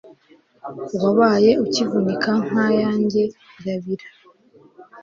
wabaye ukivuka nka yanjye irabira